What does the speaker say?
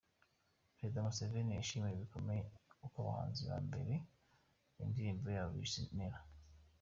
Perezida Museveni yishimiye bikomeye aba bahanzi kubera indirimbo yabo bise ‘Neera’.